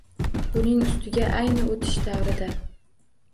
Buning ustiga ayni oʻtish davrida